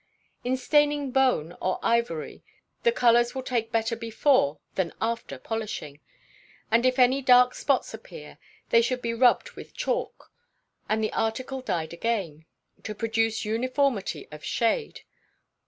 In staining bone or ivory, the colours will take better before than after polishing; and if any dark spots appear, they should be rubbed with chalk, and the article dyed again, to produce uniformity of shade.